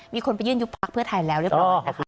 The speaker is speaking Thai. มีคนไปยื่นยุบพักเพื่อไทยแล้วเรียบร้อยนะคะ